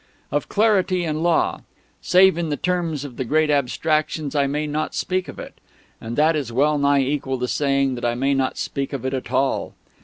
Of clarity and Law; save in the terms of the great abstractions I may not speak of it. And that is well nigh equal to saying that I may not speak of it at all.